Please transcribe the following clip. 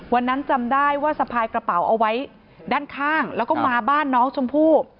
จำได้ว่าสะพายกระเป๋าเอาไว้ด้านข้างแล้วก็มาบ้านน้องชมพู่